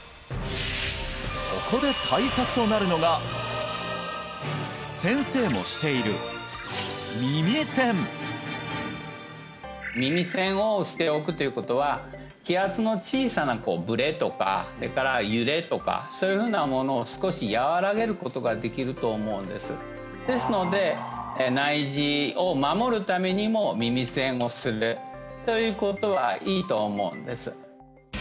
そこで対策となるのが先生もしている耳栓耳栓をしておくということは気圧の小さなブレとかそれから揺れとかそういうふうなものを少し和らげることができると思うんですですので内耳を守るためにも耳栓をするということはいいと思うんです